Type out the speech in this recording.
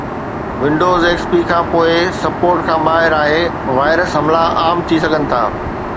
Windows XP کان پوءِ support کان ٻاهر آهي، وائرس حملا عام ٿي سگهن ٿا